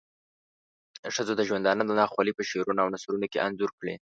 ښځو د ژوندانه ناخوالی په شعرونو او نثرونو کې انځور کړې.